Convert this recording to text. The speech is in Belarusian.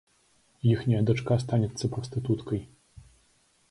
Іхняя дачка станецца прастытуткай.